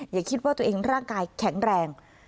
อย่าคิดว่าตัวเองร่างกายแข็งแรง